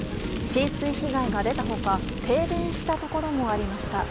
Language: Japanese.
浸水被害が出た他停電したところもありました。